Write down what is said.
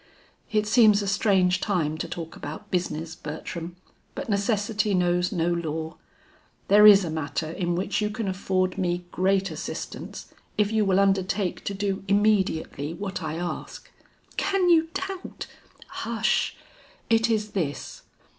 "It seems a strange time to talk about business, Bertram, but necessity knows no law. There is a matter in which you can afford me great assistance if you will undertake to do immediately what I ask." "Can you doubt " "Hush, it is this.